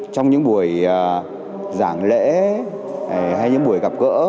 trong những buổi giảng lễ hay những buổi gặp gỡ